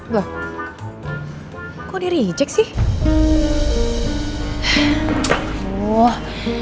bawah kok diri cek sih